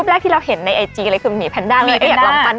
ก็เลยปั้นเป็นหมีแพนด้าเลย